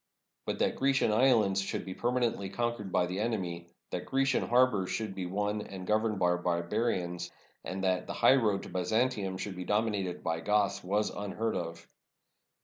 But that Grecian islands should be permanently conquered by the enemy, that Grecian harbors should be won and governed by barbarians, and that the highroad to Byzantium should be dominated by Goths, was unheard of.